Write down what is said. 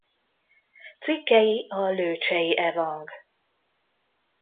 Cikkei a lőcsei evang.